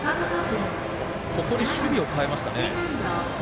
ここで守備を変えましたね。